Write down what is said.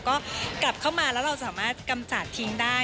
ก็กลับเข้ามาแล้วเราสามารถกำจัดทิ้งได้